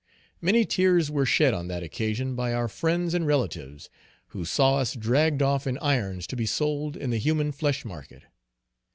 Many tears were shed on that occasion by our friends and relatives, who saw us dragged off in irons to be sold in the human flesh market.